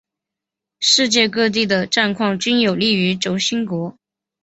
世界各地的战况均有利于轴心国。